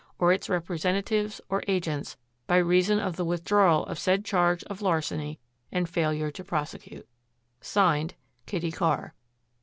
or its representatives or agents by reason of the withdrawal of said charge of larceny and failure to prosecute." "Signed, Kitty Carr."